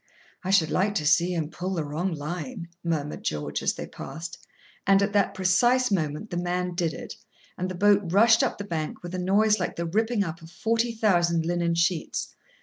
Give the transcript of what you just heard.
"I should like to see him pull the wrong line," murmured George, as they passed. And at that precise moment the man did it, and the boat rushed up the bank with a noise like the ripping up of forty thousand linen sheets.